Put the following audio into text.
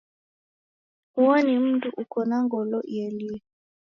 Uo ni mundu uko na ngolo ielie